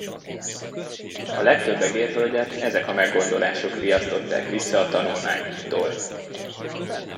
A legtöbb egérhölgyet ezek a meggondolások riasztották vissza a tanulmányúttól.